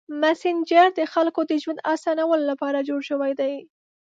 مسېنجر د خلکو د ژوند اسانولو لپاره جوړ شوی دی.